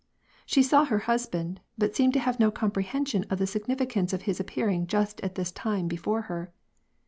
She saw her husband, but seemed to have no comprehension of the significance of his appearing just at this time before her.